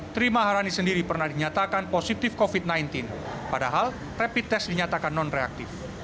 tri maharani sendiri pernah dinyatakan positif covid sembilan belas padahal rapid test dinyatakan non reaktif